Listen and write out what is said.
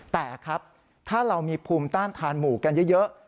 แต่ครับถ้าเรามีภูมิต้านทานหมู่กันเยอะ